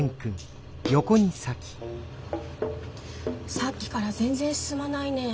さっきから全然進まないね。